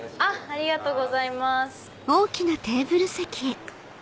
ありがとうございます。